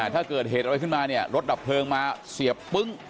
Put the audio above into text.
ถ้าเกิดเหตุอะไรขึ้นมาเนี่ยรถดับเพลิงมาเสียบปึ้ง